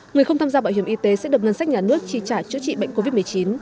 người không tham gia bảo hiểm y tế sẽ được ngân sách nhà nước tri trả chữa trị bệnh covid một mươi chín